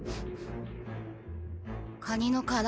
カニの殻？